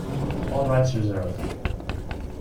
All rights reserved.